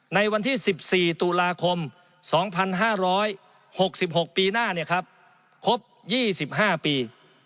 ในวันที่๑๔ตุลาคม๒๕๖๖ปีหน้าครบ๒๕ปี